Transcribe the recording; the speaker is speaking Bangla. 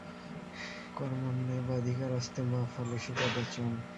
কর্মণ্যেবাধিকারস্তে মা ফলেষু কদাচন।